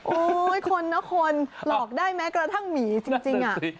โอ้ยคนนะคนหลอกได้ไหมกระทั่งหมีจริง